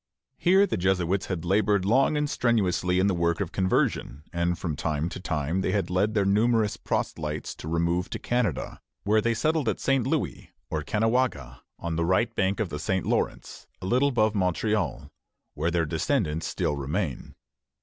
Here the Jesuits had labored long and strenuously in the work of conversion, and from time to time they had led their numerous proselytes to remove to Canada, where they settled at St. Louis, or Caughnawaga, on the right bank of the St. Lawrence, a little above Montreal, where their descendants still remain.